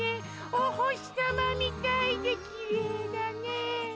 お星さまみたいできれいだね。